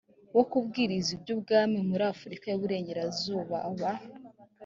wo kubwiriza iby ubwami muri afurika y iburengerazuba aba